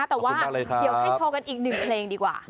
ขอบคุณมากเลยครับแต่ว่าเดี๋ยวให้โชว์กันอีกหนึ่งเพลงดีกว่า